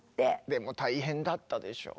でも大変だったでしょう？